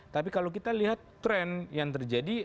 tapi kalau kita lihat tren yang terjadi